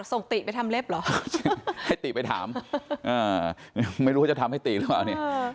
ติไปทำเล็บเหรอให้ติไปถามไม่รู้ว่าจะทำให้ติหรือเปล่าเนี่ย